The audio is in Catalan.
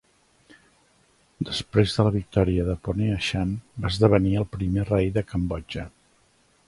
Després de la victòria de Ponhea Chan, va esdevenir el primer rei de Cambodja.